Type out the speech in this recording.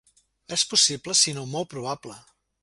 És possible sinó molt probable.